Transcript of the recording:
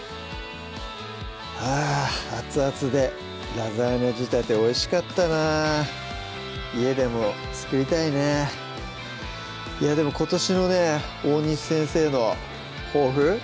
あぁ熱々で「ラザーニャ仕立て」おいしかったなぁ家でも作りたいねでも今年のね大西先生の抱負